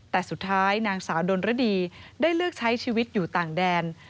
แต่สุดท้ายนางสาวดนรดีได้เลือกใช้ชีวิตอยู่ต่างแดน